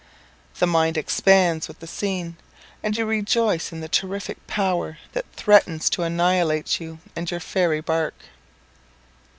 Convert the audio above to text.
The mind expands with the scene, and you rejoice in the terrific power that threatens to annihilate you and your fairy bark.